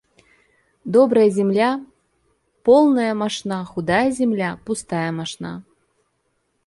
Добрая земля - полная мошна, худая земля - пустая мошна.